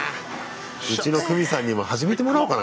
うちの久美さんにも始めてもらおうかな